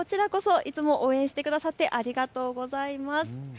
こちらこそいつも応援してくださってありがとうございます。